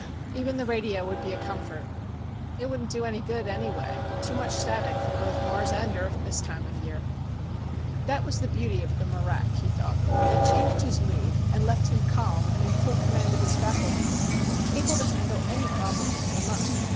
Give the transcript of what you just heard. "Even the radio would be a comfort." "It wouldn't do any good, any way. Too much static from both Mars and Earth this time of year." That was the beauty of the marak, he thought. It changed his mood, and left him calm and in full command of his faculties, able to handle any problem that came up.